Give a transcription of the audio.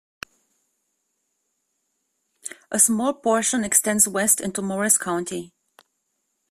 A small portion extends west into Morris County.